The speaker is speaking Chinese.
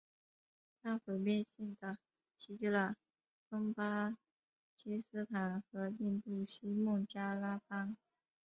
它毁灭性地袭击了东巴基斯坦和印度西孟加拉邦。